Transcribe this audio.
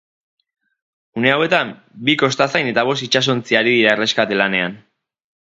Une hauetan, bi kostazain eta bost itsasontzi ari dira erreskate lanean.